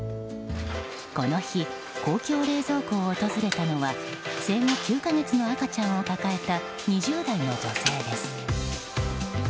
この日、公共冷蔵庫を訪れたのは生後９か月の赤ちゃんを抱えた２０代の女性です。